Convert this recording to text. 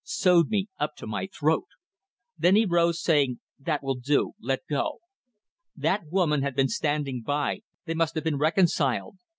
Sewed me up to my throat. Then he rose, saying, 'That will do; let go.' That woman had been standing by; they must have been reconciled.